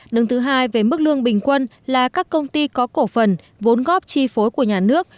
đứng thứ hai về mức lương bình quân là các công ty có cổ phần vốn góp chi phối của nhà nước